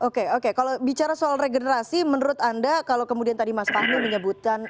oke oke kalau bicara soal regenerasi menurut anda kalau kemudian tadi mas fahmi menyebutkan